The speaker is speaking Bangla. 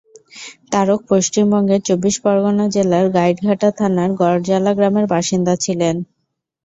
তারক পশ্চিমবঙ্গের চব্বিশ পরগনা জেলার গাইডঘাটা থানার গরজালা গ্রামের বাসিন্দা ছিলেন।